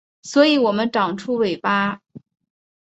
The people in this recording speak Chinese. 所以我们长出尾巴